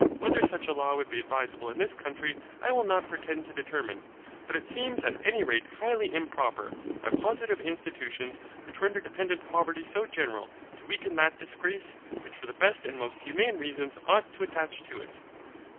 Whether such a law would be advisable in this country I will not pretend to determine. But it seems at any rate highly improper, by positive institutions, which render dependent poverty so general, to weaken that disgrace, which for the best and most humane reasons ought to attach to it.